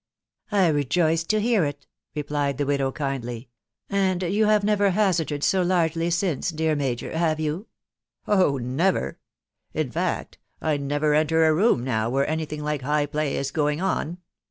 iC I rejoice to hear it," replied the widow kindly ; <c and you have never hazarded so largely since, dear major, have you ?"" Oh ! never .... In fact, I never enter a room now where any thing like high play is going on.